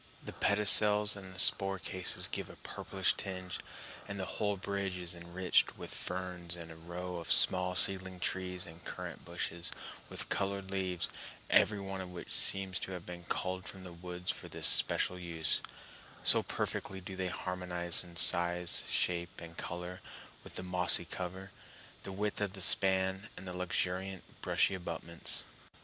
The pedicels and spore cases give a purplish tinge, and the whole bridge is enriched with ferns and a row of small seedling trees and currant bushes with colored leaves, every one of which seems to have been culled from the woods for this special use, so perfectly do they harmonize in size, shape, and color with the mossy cover, the width of the span, and the luxuriant, brushy abutments.